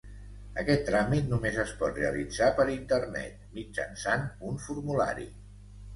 Aquest tràmit només es pot realitzar per internet, mitjançant un formulari.